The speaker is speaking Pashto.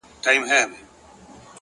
پوهه د ذهن بندیزونه راکموي!